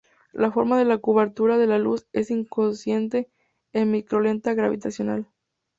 La forma de la curvatura de la luz es inconsistente con microlente gravitacional.